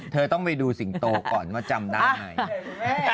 เธอต้องไปดูสิงโตก่อนว่าจำได้ไหม